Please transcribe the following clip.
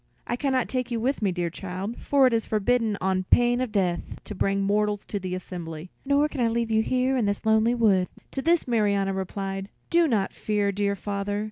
I can not take you with me, dear child, for it is forbidden on pain of death to bring mortals to the assembly, nor can I leave you here in this lonely wood." To this Marianna replied, "Do not fear, dear father.